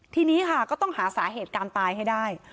ทีนี้ค่ะก็ต้องหาสาเหตุการตายให้ได้